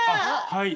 はい。